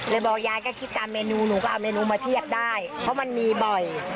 บอกยายก็คิดตามเมนูหนูก็เอาเมนูมาเทียบได้เพราะมันมีบ่อย